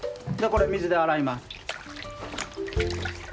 これ水で洗います。